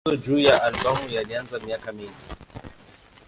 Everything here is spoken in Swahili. Mazungumzo juu ya albamu yalianza miaka mingi.